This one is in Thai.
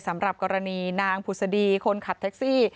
สำหรับกรณีนางผุศดีคนขับแท็กซี่